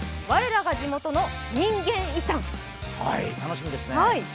「我らが地元の人間遺産」楽しみですね。